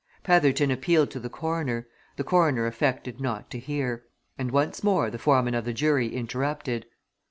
Petherton appealed to the coroner; the coroner affected not to hear. And once more the foreman of the jury interrupted.